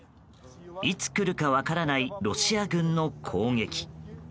いつ来るか分からないロシア軍の攻撃。